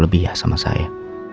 lebih ya sama saya